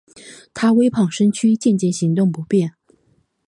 她微胖身躯渐渐行动不便